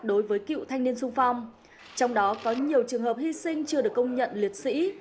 đối với cựu thanh niên sung phong trong đó có nhiều trường hợp hy sinh chưa được công nhận liệt sĩ